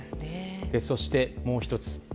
そしてもう１つ。